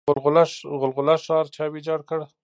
غلغله ښار چا ویجاړ کړ؟